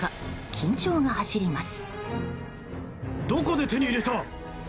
緊張が走ります。